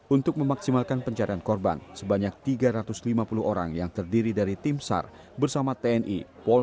untuk memaksimalkan pencarian korban sebanyak tiga ratus lima puluh orang yang terdiri dari tim sar bersama tni polri